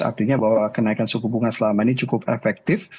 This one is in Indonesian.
artinya bahwa kenaikan suku bunga selama ini cukup efektif